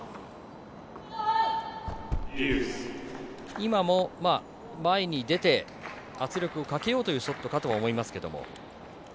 今も、前に出て圧力をかけようというショットかと思いますけど。